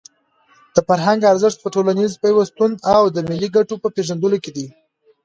د فرهنګ ارزښت په ټولنیز پیوستون او د ملي ګټو په پېژندلو کې دی.